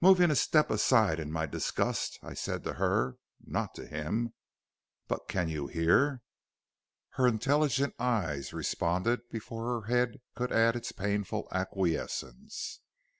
"Moving a step aside in my disgust, I said to her, not to him: "'But you can hear?' "Her intelligent eye responded before her head could add its painful acquiescence.